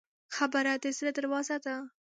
خبره د زړه دروازه ده.